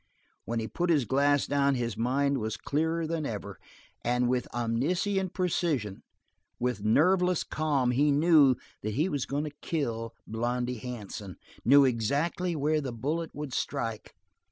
When he put his glass down his mind was clearer than ever; and with omniscient precision, with nerveless calm, he knew that he was going to kill Blondy Hansen; knew exactly where the bullet would strike.